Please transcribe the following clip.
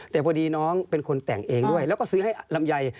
แต่พอดีน้องเป็นคนแต่งเองด้วยแล้วก็ซื้อให้ลำไย